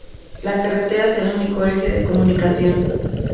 La carretera es el único eje de comunicación.